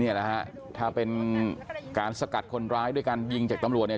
เนี่ยนะฮะถ้าเป็นการสกัดคนร้ายด้วยการยิงจากตำรวจเนี่ย